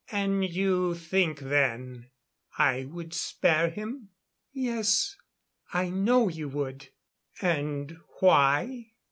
"And you think then I would spare him?" "Yes. I know you would." "And why?"